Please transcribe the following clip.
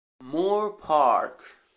Moor Park